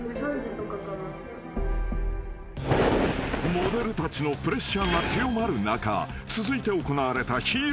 ［モデルたちのプレッシャーが強まる中続いて行われたヒーローゲーム］